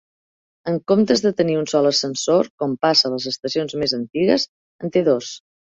En comptes de tenir un sol ascensor, com passa a les estacions més antigues, en té dos.